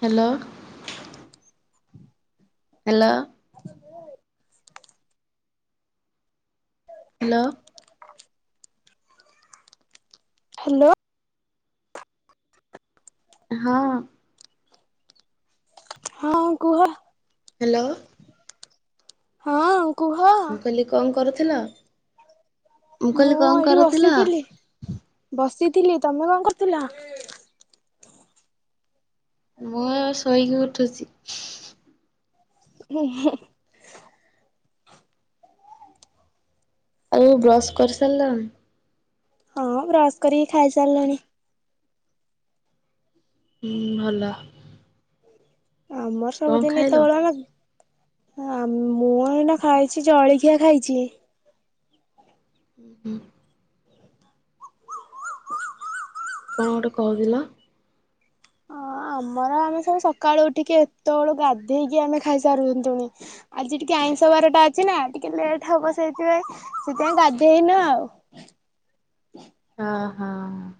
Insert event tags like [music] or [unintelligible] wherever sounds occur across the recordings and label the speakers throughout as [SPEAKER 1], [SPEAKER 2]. [SPEAKER 1] Hello. Hello.
[SPEAKER 2] ହ।
[SPEAKER 1] Hello
[SPEAKER 2] [inaudible] hello.
[SPEAKER 1] ହଁ
[SPEAKER 2] ହଁ କୁହ
[SPEAKER 1] ହ୍ୟାଲୋ
[SPEAKER 2] ହଁ କୁହ
[SPEAKER 1] ମୁଁ କହିଲି କଣ କରୁଥିଲ ମୁଁ କହିଲି କଣ କରୁଥିଲ?
[SPEAKER 2] ଥିଲି ତମେ କଣ କରୁଥିଲ?
[SPEAKER 1] ମୁଁ ଆଉ ଶୋଇକି ଉ ଉଠୁଛି।
[SPEAKER 2] [inaudible]
[SPEAKER 1] ଆଉ ବ୍ରସ୍ କରିସାରିଲଣି?
[SPEAKER 2] ହଁ ରସ କରିକି ଖାଇସାରିଲାଣି।
[SPEAKER 1] ହ ଭଲ
[SPEAKER 2] ଆମର
[SPEAKER 1] କଣ
[SPEAKER 2] ସବୁଦିନ
[SPEAKER 1] ଖାଇଲ?
[SPEAKER 2] ଏତେବେଳ ଆମ ହା ମୁଁ ଏଇନା ଖାଇଛି ଜଳିଖିଆ ଖାଇଚି।
[SPEAKER 1] ହୁଁ ହୁଁ। କଣ ଗୋଟେ କହୁଥିଲ?
[SPEAKER 2] ହଁ ଆମର ଆମେ ସବୁ ସକାଳୁ ଉଠିକି ଏତ ବେଳୁ ଗାଧେଇକି ଆମେ ଖାଇସାରୁନ୍ତୁଣି। ଆଜି ଟିକେ ଆଇଁଷ ବାର ଟା ଅଛି ନା, ଟିକେ ଲେଟ ହବ ସେଇଥିପାଇଁ, ସେଥିପାଇଁ ଗାଧେଇନୁ ଆଉ।
[SPEAKER 1] ହଁ ହଁ।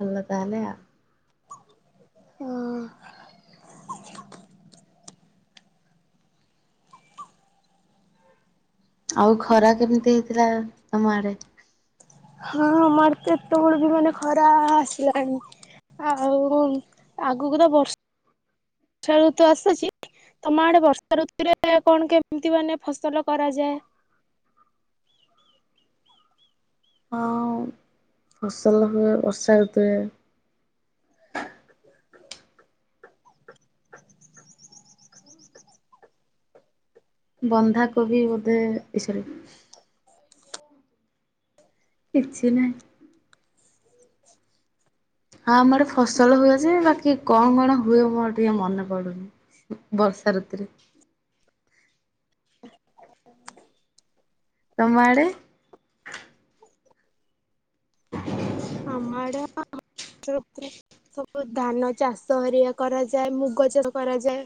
[SPEAKER 1] ଭଲ ତାହେଲେ ଆଉ।
[SPEAKER 2] [unintelligible] ହଁ ଅଁ
[SPEAKER 1] ଆଉ ଖରା କେମତି ହେଇଥିଲା? ତମ ଆଡେ।
[SPEAKER 2] ହଁ ଆମର କେତେବେଳୁ ବି ମାନେ ଖରା ଆସିଲାଣି, ଆଉ ଆଗୁକୁ ତ ବର୍ଷା [inaudible] ବର୍ଷା ଋତୁ ଆସୁଛି। ତମ ଆଡେ ବର୍ଷା ଋତୁରେ କଣ କେମିତି ମାନେ ଫସଲ କରାଯାଏ?
[SPEAKER 1] ହଁ-ଅଁ, [inaudible] ଫସଲ ହୁଏ ବର୍ଷା ଋତୁ ରେ ବନ୍ଧାକୋବି ବୋଧେ ଏ ଶରୀ କିଛି ନାଇ। ହଁ ଆମର ଫସଲ ହୁଏ ଯେ ବାକି କଣ କଣ ହୁଏ ମୋର ଟିକେ ମନେ ପଡୁନି। ବର୍ଷା ଋତୁରେ।
[SPEAKER 2] [inaudible]
[SPEAKER 1] ତମ ଆଡ଼େ?
[SPEAKER 2] ଆମ ଆଡ଼େ ହଁ ବର୍ଷା ଋତୁରେ ସବୁ ଧାନ ଚାଷ ହାରିକା କରାଯାଏ, ମୁଗ ଚାଷ କରାଯାଏ।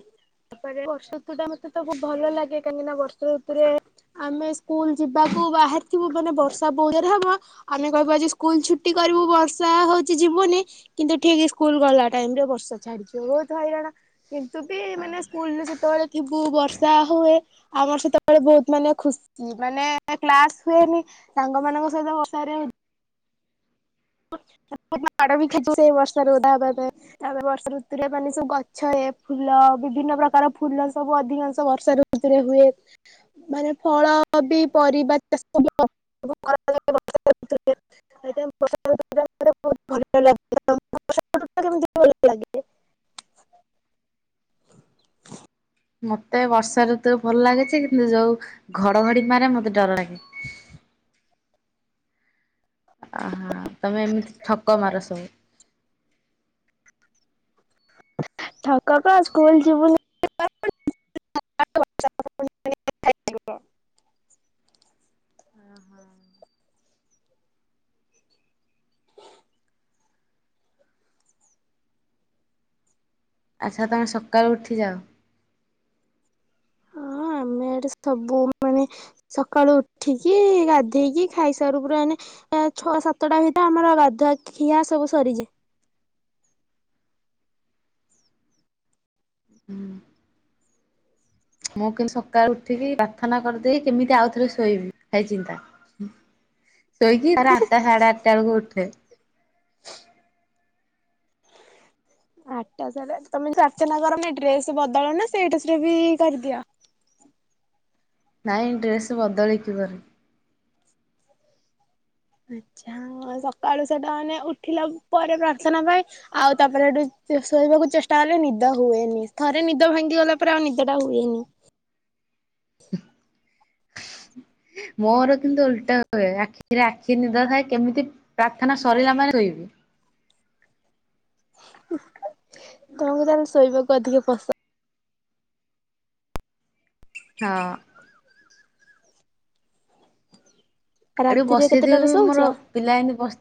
[SPEAKER 2] ତାପରେ ବର୍ଷ ଋତୁ ଟା ମତେ ତ ଭଲ ଲାଗେ କାହିଁକି ନା, ବର୍ଷା ଋତୁରେ ଆମେ ସ୍କୁଲ ଯିବାକୁ ବାହାରିଥିବୁ ମାନେ ବର୍ଷା ବହୁତ ଯୋରେ ହବ ଆମେ କହିବା ଆଜି ସ୍କୁଲ ଛୁ କରିବୁ ବର୍ଷା ହଉଛି ଯିବୁନି, କିନ୍ତୁ ଠିକ ସ୍କୁଲ ଗଲା ଟାଇମ ରେ ବର୍ଷା ଛାଡିଯିବ। ବୋହୁତ ହଇରାଣ, କିନ୍ତୁ ବି ମାନେ ସ୍କୁଲରେ ଯେତେବେଳେ ଥିବୁ, ବର୍ଷା ହୁଏ ଆମର ସେତେବେଳେ ବୋହୁତ ମାନେ ଖୁସି। ମାନେ କ୍ଲାସ ହୁଏନି ସାଙ୍ଗ ମାନଙ୍କ ସହିତ ବର୍ଷା ରେ ଓ ମାଡ ବି ଖାଇଚି ସେ ବର୍ଷା ରେ ଓଦା ହବା ପାଇଁ। ଆମେ ବର୍ଷା ଋତୁରେ ମାନେ ସବୁ ଗଛ, ଏ ଫୁଲ ବିଭିନ୍ନ ପ୍ରକାର ଫୁଲ ସବୁ ଅଧିକାଂଶ ବର୍ଷା ଋତୁରେ ହୁଏ। ମାନେ ଫଳ ବି ପରିବା ଚାଷ ବି କରାଯାଏ ବର୍ଷାଋତୁରେ। [unintelligible] ତମ ସେପଟ ଟା କେମିତି ଭ ଲାଗେ? [unintelligible]
[SPEAKER 1] ମତେ ବର୍ଷା ଋତୁ ଭଲ ଲାଗେ ଯେ, କିନ୍ତୁ ଯୋଉ ଘଡଘଡି ମାରେ ମତେ ଡର ଲାଗେ। ଆ ହ ତମେ ଏମିତି ଠକ ମାର ସବୁ?
[SPEAKER 2] ଠକ କଅଁ, ସ୍କୁଲ ଯିବୁନି [unintelligible] [inaudible]
[SPEAKER 1] ଆଚ୍ଛା ତମେ ସକାଳୁ ଉଠିଯାଅ?
[SPEAKER 2] ହଁଅଅ ଆମେ ଏଠି ସବୁ ମାନେ ସକାଳୁ ଉଠିକି ଗାଧେଇକି ଖାଇସାରୁ ପୁରା ମାନେ ଛଅ ସାତଟା ଭିତରେ ଆମର ଗାଧୁଆ ଖିଆ ସବୁ ସରିଯାଏ।
[SPEAKER 1] [unintelligible] ମୁଁ କିନ୍ତୁ ସକାଳୁ ଉଠିକି ପ୍ରାର୍ଥନା କରିଦେଇ କେମିତି ଆଉଥରେ ଶୋଇବି, ସେଇ ଚିନ୍ତା। ଶୋଇକି ତାପରେ ଆଠଟା ସାଢେଆଠଟା ବେଳକୁ ଉଠେ।
[SPEAKER 2] ଆଠଟା ସାଢେଆଠଟା ତମେ ପାର୍ଥନା କରନି ଡ୍ରେସ ବଦଳାଅ ନା ସେଇ ଡ୍ରେସରେ ବି କରିଦିଅ?
[SPEAKER 1] ନାଇଁ ଡ୍ରେସ୍ ବଦଳେଇକିି କରେ।
[SPEAKER 2] ଆଛାଆ, ସକାଳୁ ସେଟା ମାନେ ଉଠିଲା ପରେ ପ୍ରାର୍ଥନା ପାଇଁ ଆଉ ତାପରେ ସେଠୁ ଚେ ଶୋଇବାକୁ ଚେଷ୍ଟା କଲେ ନିଦ ହୁଏନି ଥରେ ନିଦ ଭାଙ୍ଗି ଗଲା ପରେ, ଆଉ ନିଦଟା ହୁଏନି। [inaudible]
[SPEAKER 1] [inaudible] ମୋର କିନ୍ତୁ ଓଲଟା ହୁଏ ଆଖିରେ ଆଖିଏ ନିଦ ଥାଏ କେମିତି ପ୍ରାର୍ଥନା ସରିଲା ମାନେ ଶୋଇିବି।
[SPEAKER 2] [inaudible] ତମୁକୁ ତାହେଲେ ଶୋଇବାକୁ ଅଧିକ ପସନ୍ଦ?
[SPEAKER 1] ହଁଅଁ ଏଠି
[SPEAKER 2] ରାତିରେ କେତେଟାରେ
[SPEAKER 1] ବସିଥିବି ବି
[SPEAKER 2] ଶୋଉଛ?
[SPEAKER 1] ମୋର, ପିଲା ଏମିତି ବସ୍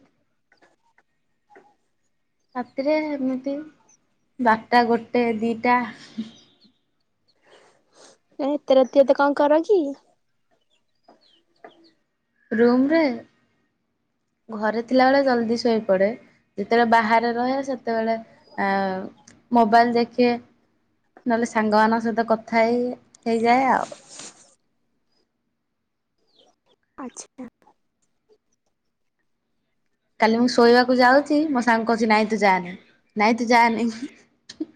[SPEAKER 1] ରାତିରେ ଏମିତି, ବାରଟା ଗୋଟେ ଦିଟା [inaudible]
[SPEAKER 2] ଏଁ, ଏତେ ରାତି ଏତେ କଣ କର କି?
[SPEAKER 1] ରୁମ ରେ? ଘରେ ଥିଲାବେଳେ ଜଲଦି ଶୋଇପଡେ, ଯେତେବେଳେ ବାହାରେ ରହେ ସେତେବେଳେ ମୋବାଇଲ୍ ଦେଖେ, ନହେଲେ ସାଙ୍ଗମାନଙ୍କ ସହିତ କଥା ହେଇ ହେଇଯାଏ ଆଉ।
[SPEAKER 2] ଆଚ୍ଛା
[SPEAKER 1] କାଲି ମୁଁ ଶୋଇବାକୁ ଯାଉଛି ମୋ ସାଙ୍ଗ କହୁଚି ନାଇଁ ତୁ ଯାନି ନାଇଁ ତୁ ଯାନି ହିଁହିଁ।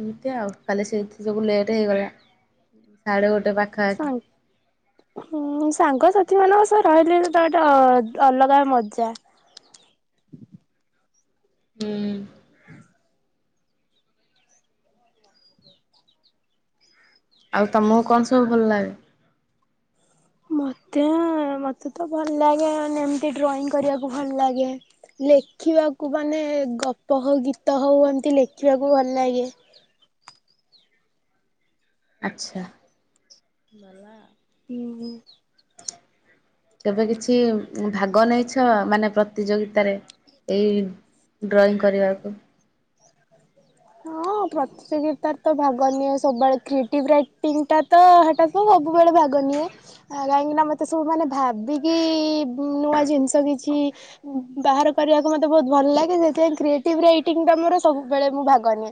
[SPEAKER 1] ଏମିତି ଆଉ, କାଲି ସେଇଥି ଯୋଗୁ ଲେଟ୍ ହେଇଗଲା ସାଢେ ଗୋଟେ ପାଖାପାଖି
[SPEAKER 2] ଉଁ ସାଙ୍ଗସାଥି ମାନଙ୍କ ସହ ରହିଲେ ସେଇଟା ଗୋଟେ ଅଲଗା ମଜା [inaudible]
[SPEAKER 1] ହୁଁଉଁ ଆଉ ତମକୁ କଣ ସବୁ ଭଲ ଲାଗେ?
[SPEAKER 2] ମତେଏ, ମତେ ତ ଭଲ ଲାଗେ ମାନେ‌ଏମତି ଡ୍ରଇଂ କରିବାକୁ ଭଲ ଲାଗେ, ଲେଖିବାକୁ ମାନେ ଗପ ହଉ ଗୀତ ହଉ ଏମତି ଲେଖିବାକୁ ଭଲ ଲାଗେ [inaudible]
[SPEAKER 1] ଆଚ୍ଛାଆ [inaudible]
[SPEAKER 2] ହୁଁ ହୁଁ।
[SPEAKER 1] [inaudible] କେବେ କିଛି ଭାଗ ନେଇଛ ମାନେ ପ୍ରତିଯୋଗିତାରେ ଏଇ ଡ୍ରଇଂ କରିବାକୁ?
[SPEAKER 2] ହଁଅଅ ପ୍ରତିଯୋଗିତାରେ ତ ଭାଗ ନିଏ ସବୁବେଳେ କ୍ରିଏଟିଭ୍ ରାଇଟିଙ୍ଗଟା ତ [unintelligible] ସବୁବେଳେ ଭାଗ ନିଏ କାହିଁକି ନା ମତେ ସବୁ ମାନେ ଭାବିକିଇଇ ନୂଆ ଜିନିଷ କିଛି ବାହାର କରିବାକୁ ମତେ ବହୁତ ଭଲ ଲାଗେ ସେଥିପାଇଁ କ୍ରିଏଟିଭ୍ ରାଇଟିଙ୍ଗଟା ମୋର ସବୁ ସବୁବେଳେ ମୁଁ ଭାଗ ନିିଏ,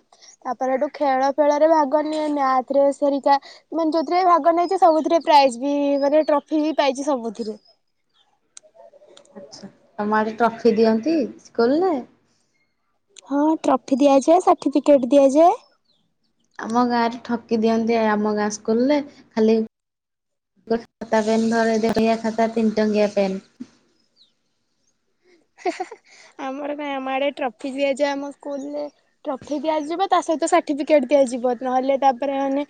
[SPEAKER 2] ତାପରେ ହେଠୁ ଖେଳଫେଳରେ ଭାଗ ନିଏ ମ୍ୟାଥ୍ ରେସ୍ ହେରିକା ମାନେ ଯୋଉଥିରେ ଭାଗ ନେଇଛି ସବୁଥିରେ ପ୍ରାଇଜ୍ ବି ମାନେ ଟ୍ରଫି ବି ପାଇଛି ସବୁଥିରେ [inaudible]
[SPEAKER 1] ଆଚ୍ଛା ତମ ଆଡେ ଟ୍ରଫି ଦିଅନ୍ତି, ସ୍କୁଲରେ?
[SPEAKER 2] ହଁ ଟ୍ରଫି ଦିଆଯାଏ ସାର୍ଟିଫିକେଟ୍ ଦିଆଯାଏ।
[SPEAKER 1] ଆମ ଗାଁରେ ଠକି ଦିଅନ୍ତି ଆମ ଗାଁ ସ୍କୁଲରେ, ଖାଲି [inaudible] ଖାତା ପେନ୍ ଧରେଇ [inaudible] ତିନି ଟଙ୍କିଆ ଖାତା ତିନି ଟଙ୍କିଆ ପେନ୍।
[SPEAKER 2] ହେହେହେ ଆମର କାଇଁ ଆମ ଆଡେ ଟ୍ରଫି ଦିଆଯାଏ ଆମ ସ୍କୁଲରେ ଟ୍ରଫି ଦିଆଯିବ ତା ସହିତ ସାର୍ଟିଫିକେଟ ଦିଆଯିବ ନହେଲେ ତାପରେ ମାନେ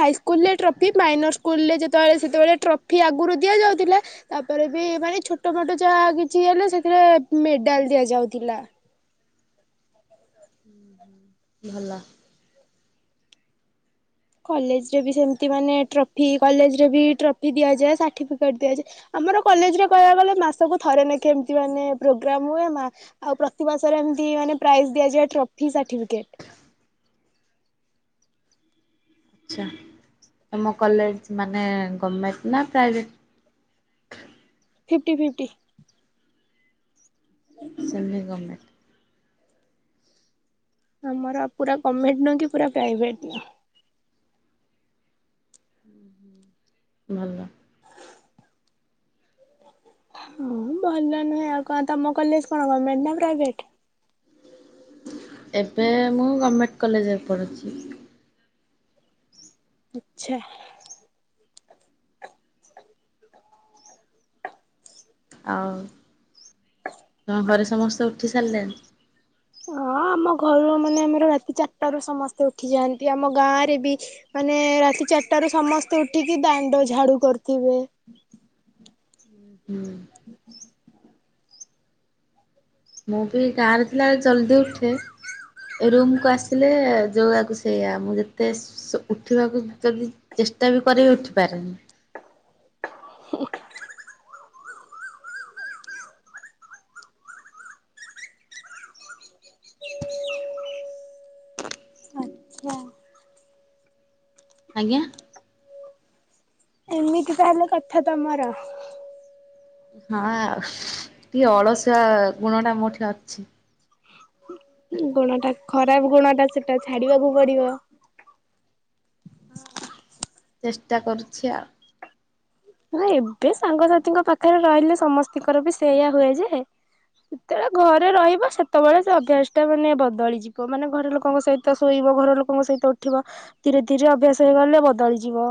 [SPEAKER 2] ହାଇସ୍କୁଲରେ ଟ୍ରଫି ମାଇନର ସ୍କୁଲରେ ଯେତେବେଳେ ସେତେବେଳେ ଟ୍ରଫି ଆଗରୁ ଦିଆଯାଉଥିଲା ତାପରେ ବି ମାନେ ଛୋଟମୋଟ ଯାହା କିଛି ହେଲେ ସେ ସେଥିରେ ମେଡାଲ ଦିଆଯାଉଥିଲା।
[SPEAKER 1] ଭଲ।
[SPEAKER 2] କଲେଜରେ ସେମିତି ମାନେ ଟ୍ରଫି କଲେଜରେ ବି ଟ୍ରଫି ଦିଆଯାଏ ସାର୍ଟିଫିକେଟ ଦିଆଯାଏ ଆମର କଲେଜରେ କହିବାକୁ ଗଲେ ମାସକୁ ଥରେ ନାଖେ ଏମିତି ମାନେ ପ୍ରୋଗ୍ରାମ୍ ହୁଏ ମା ଆଉ ପ୍ରତି ମାସରେ ଏମିତି ମାନେ ପ୍ରାଇଜ ଦିଆଯାଏ ଟ୍ରଫି ସାର୍ଟିଫିକେଟ୍।
[SPEAKER 1] ଆଚ୍ଛା। ତମ କଲେଜ ମାନେ ଗମେଣ୍ଟ୍ ନା private?
[SPEAKER 2] Fifty fifty.
[SPEAKER 1] Semi government
[SPEAKER 2] ଆମର ପୁରା ଗମେଣ୍ଟ୍ ନୁହଁ କି ପୁରା ପ୍ରାଇଭେଟ୍ ନୁହଁ।
[SPEAKER 1] ଭଲ।
[SPEAKER 2] ହଁ ଭଲ ନୁହେଁ ଆଉ କଣ ତମ କଲେଜ କଣ ଗମେଣ୍ଟ୍ ନା ପ୍ରାଇଭେଟ୍?
[SPEAKER 1] ଏବେ ମୁଁ ଗମେଣ୍ଟ କଲେଜରେ ପଢ଼ୁଛି।
[SPEAKER 2] ଆଚ୍ଛା
[SPEAKER 1] ଆଉ ତମ ଘରେ ସମସ୍ତେ ଉଠି ସାରିଲେଣି?
[SPEAKER 2] ହଁ ଆମ ଘର ମାନେ ଆମର ରାତି ଚାରଟାରୁ ସମସ୍ତେ ଉଠି ଯାଆନ୍ତି ଆମ ଗାଁଆରେ ବି, ମାନେ ରାତି ଚାରିଟା ରୁ ସମସ୍ତେ ଉଠିକି ଦାଣ୍ଡ ଝାଡୁ କରିୁଥିବେ।
[SPEAKER 1] ହୁଁ
[SPEAKER 2] [inaudible]
[SPEAKER 1] ମୁଁ ବି ଗାଁଆରେ ଥିଲାବେଳେ ଜଲଦି ଉଠେ ରୁମକୁ ଆସେ। ଉଠିଲେ ଯଉଆକୁ ସେଇଆ ମୁଁ ଯେତେ ଶୋ ଉଠିବାକୁ ଯଦି ଚେଷ୍ଟା ବି କରିବି ଉଠିପାରେନି।
[SPEAKER 2] [inaudible] [inaudible]
[SPEAKER 1] ଆଜ୍ଞା
[SPEAKER 2] ଏମିତି ତାହେଲେ କଥା ତମର
[SPEAKER 1] ହଁ ଆଉ ଟିକେ ଅଳସୁଆ ଗୁଣ ଟା ମୋଠି ଅଛି।
[SPEAKER 2] ଗୁଣ ଟା ଖରାପ ଗୁଣ ଟା ସେଟା ଛାଡିବାକୁ ପଡିବ
[SPEAKER 1] ଚେଷ୍ଟା କରୁଛି ଆଉ
[SPEAKER 2] ହଁ ଏବେ ସାଙ୍ଗସାଥିୀଙ୍କ ପାଖରେ ରହିଲେ ସମସ୍ତଙ୍କର ବି ସେଇଆ ହୁଏ ଯେ ଯେତେବେଳେ ଘରେ ରହିବ ସେତେବେଳେ ସେ ଅଭ୍ୟାସ ଟା ମାନେ ବଦଳିଯିବ ମାନେ ଘର ଲୋକଙ୍କ ସହିତ ଶୋଇବ ଘର ଲୋକଙ୍କ ସହିତ ଉଠିବ ଧୀରେ ଧୀରେ ଅଭ୍ୟାସ ହେଇଗଲେ ବଦଳିଯିବ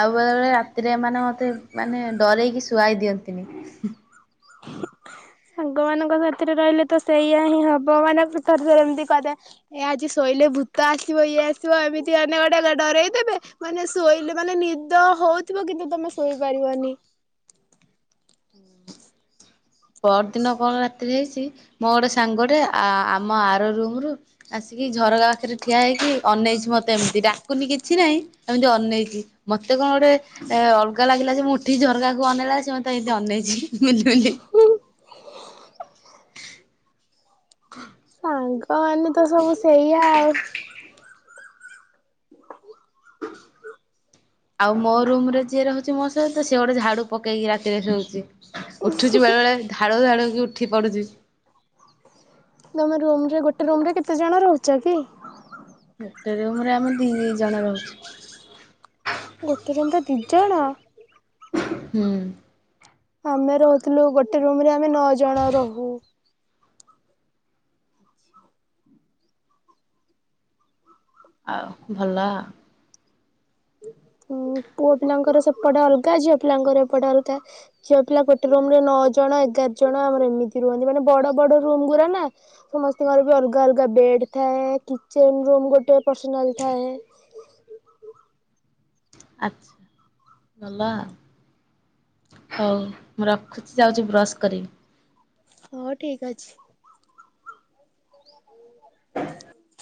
[SPEAKER 1] ଆଉ ବେଳେ ବେଳେ ରାତିର ଏ ମାନେ ମତେ ମାନେ ଡରେଇକି ଶୁଆଇ ଦିଅନ୍ତିନି
[SPEAKER 2] ସାଙ୍ଗ ମାନଙ୍କ ସାଥିରେ ରହିଲେ ତ ସେଇଆ ହିଁ ହବ ମାନେ ଥରେ ଥରେ ଏମତି କରେ ଏ ଆଜି ଶୋଇଲେ ଭୂତ ଆସିବ ଇଏ ଆସିବ ଏମିତି ମାନେ ଗୋଟେ ଡରେଇଦେବେ ମାନେ ଶୋଇଲେ ମାନେ ନିଦ ହଉଥିବ କିନ୍ତୁ ତମେ ଶୋଇପାରିବନି
[SPEAKER 1] ପରଦିନ କଣ ରାତିରେ ହେଇଛି। ମୋର ସାଙ୍ଗଟେ ଆ ମୋ ଆର ରୁମ ରୁ ଆସିକି ଝରକା ପାଖରେ ଠିଆ ହେଇକି ଅନେଇଛି ମତେ ଏମିତି ଡାକୁନି କିଛି ନାହିଁ। ଏମିତି ଅନେଇଛି ମତେ କଣ ଗୋଟେ ଅଲଗା ଲାଗିଲା ଯେ ମୁଁ ଉଠିକି ଝରକା କୁ ଅନେଇଲା ବେଳକୁ ସେ ମତେ ମତେ ଏମିତି ଅନେଇଚି ମିଞ୍ଜିମିଞ୍ଜି
[SPEAKER 2] ସାଙ୍ଗ ହଁ ଆମେ ତ ସବୁ ସେଇଆ ଆଉ
[SPEAKER 1] ଆଉ ମୋ ରୁମ ରେ ଯିଏ ରହୁଛି ମୋ ସହିତ ସେ ଗୋଟେ ଝାଡୁ ପକେଇକି ରାତିରେ ଶୋଉଛି। ଉଠୁଛି ବେଳେ ବେଳେ ଧାଡଉ ଧାଡଉ କି? ଉଠି ପଡୁଛି।
[SPEAKER 2] ତମେ ରୁମରେ ଗୋଟେ ରୁମରେ କେତେ ଜଣ ରହୁଛ କି?
[SPEAKER 1] ଗୋଟେ ରୁମ ରେ ଆମେ ଦି ଦି ଜଣ ରହୁଛୁ।
[SPEAKER 2] ଗୋଟି ରୁମ୍ ରେ ଦି ଜଣ
[SPEAKER 1] ହୁଁ
[SPEAKER 2] ଆମେ ରହୁଥିଲୁ ଗୋଟେ ରୁମ ରେ ଆମେ ନଅ ଜଣ ରହୁ।
[SPEAKER 1] ଆଉ ଭଲ
[SPEAKER 2] ହଁ ପୁଅ ପିଲାଙ୍କର ସେପଟା ଅଲଗା ଝିଅ ପିଲାଙ୍କର ଏପଟା ଅଲଗା ଝିଅ ପିଲା ଗୋଟେ ରୁ ରେ ନଅ ଜଣ ଏଗାର ଜଣ ଆମର ଏମିତି ରୁହନ୍ତି ମାନେ ବଡ ବଡ ରୁମ୍ ଗୁରା ନା ସମସ୍ତଙ୍କର ବି ଅଲଗା ଅଲଗା ବେଡ ଥାଏ କିଚେନ ରୁମ୍ ଗୋଟେ ପସନାଲ ଥାଏ।
[SPEAKER 1] ଆଚ୍ଛା ଭଲ ଆଉ ହଉ ମୁଁ ରଖୁଛି ଯାଉଛି ବ୍ରଶ କରିବି।
[SPEAKER 2] ହଉ ଠିକ ଅଛି।
[SPEAKER 1] [inaudible]